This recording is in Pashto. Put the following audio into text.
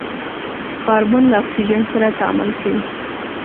کاربن له اکسیجن سره تعامل کوي.